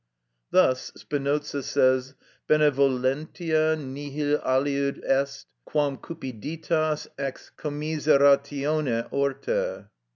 Thus Spinoza says: Benevolentia nihil aliud est, quam cupiditas ex commiseratione orta (Eth.